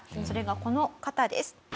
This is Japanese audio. それがこの方です。